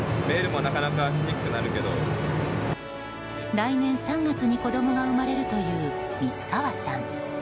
来年３月に子供が生まれるという光川さん。